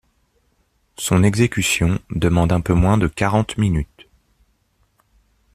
Son exécution demande un peu moins de quarante minutes.